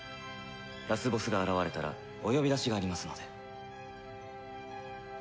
ラスボスが現れたらお呼び出しがありますので。